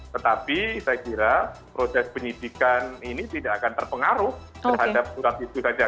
tetapi saya kira proses penyidikan ini tidak akan terpengaruh terhadap surat itu saja